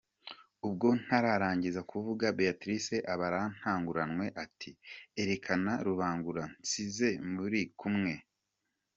Ubwo ntatarangiza kuvuga Béatrice aba arantanguranwe ati erekana Rubangura nsize muri kumwe.